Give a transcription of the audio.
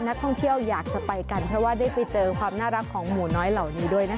นักท่องเที่ยวอยากจะไปกันเพราะว่าได้ไปเจอความน่ารักของหมูน้อยเหล่านี้ด้วยนะคะ